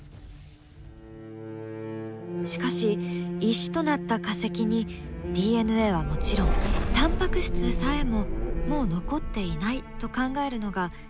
しかし石となった化石にＤＮＡはもちろんタンパク質さえももう残っていないと考えるのが恐竜研究の常識なのです。